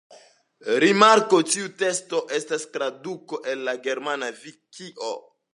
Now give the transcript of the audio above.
Rimarko: Tiu teksto estas traduko el la germana vikio.